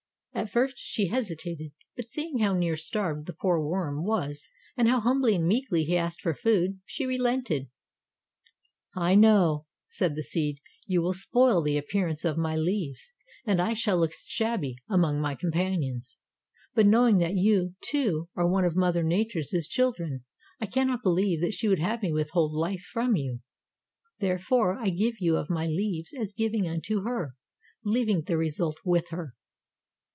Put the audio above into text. At first she hesitated, but seeing how near starved the poor worm was and how humbly and meekly he asked for the food, she relented. "I know," said the seed, "you will spoil the appearance of my leaves and I shall look shabby among my companions, but knowing that you, too, are one of Mother Nature's children, I cannot believe that she would have me withhold life from you. Therefore, I give you of my leaves as giving unto her, leaving the result with her."